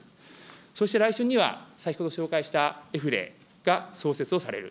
そして来週には、先ほど紹介したエフレイが創設をされる。